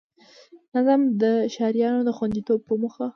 نظم او د ښاريانو د خوندیتوب په موخه